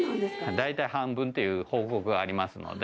大体半分という報告がありますので。